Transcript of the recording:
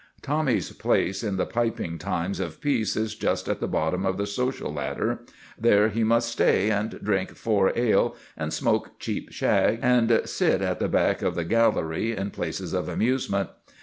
Tommy's place in the piping times of peace is just at the bottom of the social ladder; there he must stay, and drink four ale, and smoke cheap shag, and sit at the back of the gallery in places of amusement.